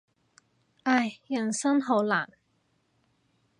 唉，人生好難。